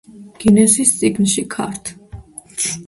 გინესის წიგნში ქართ.